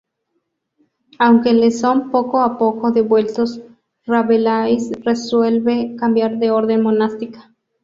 Aunque les son poco a poco devueltos, Rabelais resuelve cambiar de orden monástica.